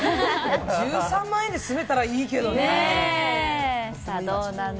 １３万円で住めたらいいけどね。